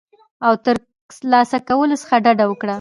او ترلاسه کولو څخه ډډه وکړه